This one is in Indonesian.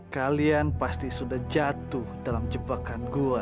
kalian pasti sudah jatuh dalam jebakan gua